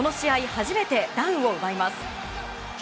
初めてダウンを奪います。